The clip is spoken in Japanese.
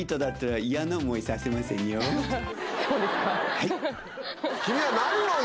はい。